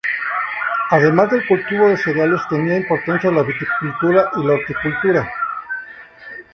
Además del cultivo de cereales, tenían importancia la viticultura y la horticultura.